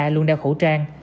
luôn đeo khẩu trang